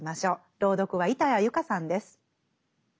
朗読は板谷由夏さんです。